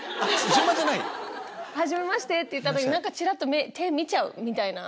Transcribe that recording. はじめまして！って言った時にチラっと手見ちゃうみたいな。